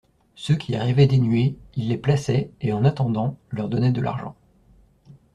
Ceux qui arrivaient dénués, il les plaçait, et, en attendant, leur donnait de l'argent.